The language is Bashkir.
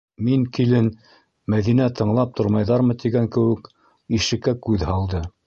Мин, килен, - Мәҙинә «тыңлап тормайҙармы» тигән кеүек, ишеккә күҙ һалды.